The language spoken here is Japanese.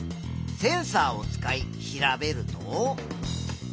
センサーを使い調べると。